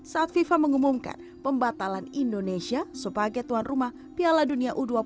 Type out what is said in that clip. saat fifa mengumumkan pembatalan indonesia sebagai tuan rumah piala dunia u dua puluh pada dua puluh sembilan maret dua ribu dua puluh tiga